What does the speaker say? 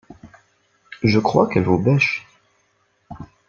Je crois qu’elle vous bêche !